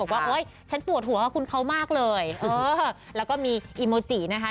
ว่าโอ๊ยฉันปวดหัวคุณเขามากเลยเออแล้วก็มีอีโมจินะคะ